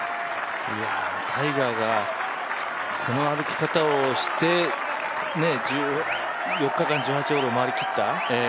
タイガーがこの歩き方をして４日間、１８ホールを回り切った。